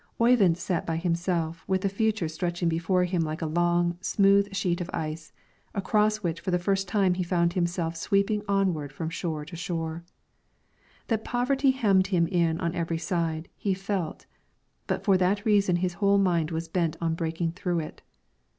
Oyvind sat by himself with the future stretching before him like a long, smooth sheet of ice, across which for the first time he found himself sweeping onward from shore to shore. That poverty hemmed him in on every side, he felt, but for that reason his whole mind was bent on breaking through it.